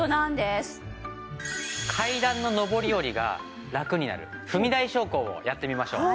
階段の上り下りがラクになる踏み台昇降をやってみましょう。